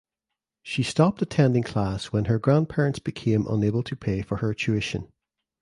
She stopped attending class when her grandparents became unable to pay for her tuition.